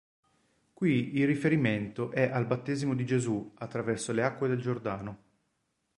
Qui il riferimento è al "Battesimo di Gesù" attraverso le acque del Giordano.